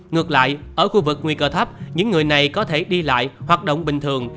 ngược lại ở khu vực nguy cơ thấp những người này có thể đi lại hoạt động bình thường